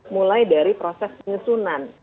mulai dari proses penyusunan